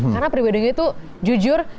karena pre weddingnya itu jujur